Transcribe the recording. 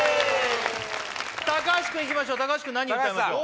高橋くんいきましょう高橋くん何歌いましょう？